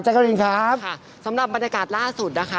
การินครับค่ะสำหรับบรรยากาศล่าสุดนะคะ